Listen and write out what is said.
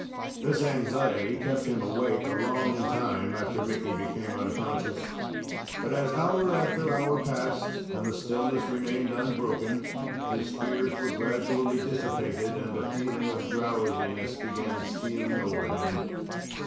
This anxiety kept him awake a long time after Mickey became unconscious; but, as hour after hour passed and the stillness remained unbroken, his fears were gradually dissipated and a feeling of drowsiness began stealing over him.